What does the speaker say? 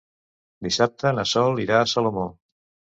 Dissabte na Sol irà a Salomó.